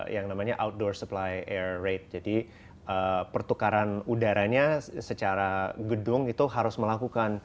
yang namanya outdoor supply air rate jadi pertukaran udaranya secara gedung itu harus melakukan